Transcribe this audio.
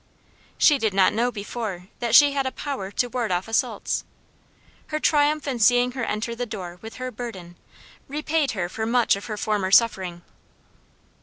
She did not know, before, that she had a power to ward off assaults. Her triumph in seeing her enter the door with HER burden, repaid her for much of her former suffering.